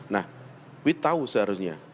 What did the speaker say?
nah wi tahu seharusnya